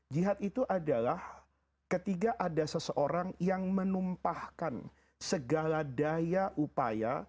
jihad itu adalah ketika ada seseorang yang menumpahkan segala daya upaya